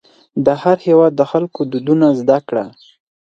د هر هېواد د خلکو دودونه زده کړه.